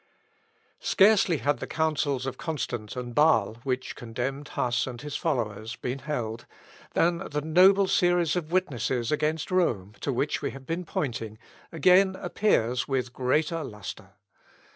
Scarcely had the Councils of Constance and Bâsle, which condemned Huss and his followers, been held, than the noble series of witnesses against Rome, to which we have been pointing, again appears with greater lustre.